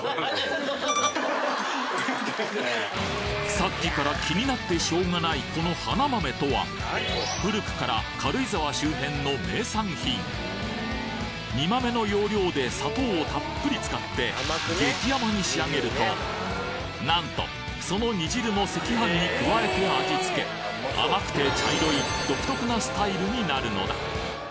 さっきから気になってしょうがないこの古くから煮豆の要領で砂糖をたっぷり使って激甘に仕上げるとなんとその煮汁も赤飯に加えて味付け甘くて茶色い独特なスタイルになるのだ